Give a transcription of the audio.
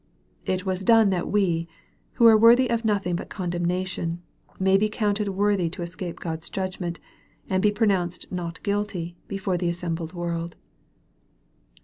It was done that we, who are worthy of nothing but condemnation, may be counted worthy to escape God's judgment, and be pronounced not guilty before the assembled world.